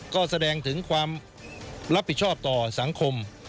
ก็แสดงถึงความรับผิดชอบต่อสังคม